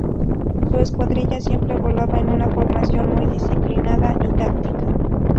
Su escuadrilla siempre volaba en una formación muy disciplinada y táctica.